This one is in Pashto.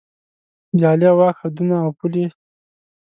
د عالیه واک حدونه او پولې